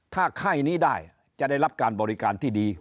ถ้าไข้นี้ได้จะได้รับการบริการที่ดี